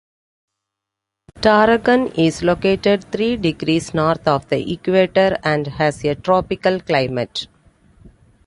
Tarakan is located three degrees north of the equator and has a tropical climate.